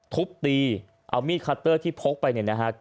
ทุบตีเอามีดคัตเตอร์ที่พกไปเนี่ยนะฮะ